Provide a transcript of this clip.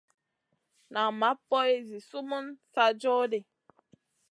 Nan ma poy zi sumun sa joh ɗi.